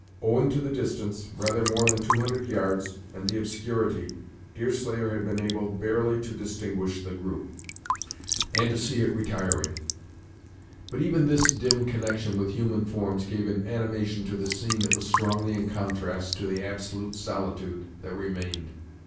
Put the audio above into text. Owing to the distance rather more than two hundred yards and the obscurity, Deerslayer had been able barely to distinguish the group, and to see it retiring; but even this dim connection with human forms gave an animation to the scene that was strongly in contrast to the absolute solitude that remained.